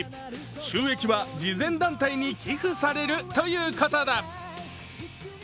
収益は慈善団体に寄付されるということだ。